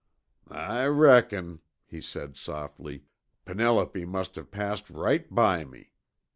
"I reckon," he said softly, "Penelope must have passed right by me.